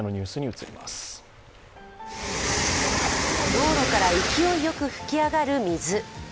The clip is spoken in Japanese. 道路から勢いよく噴き上がる水。